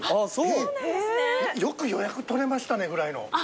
よく予約取れましたねぐらいの。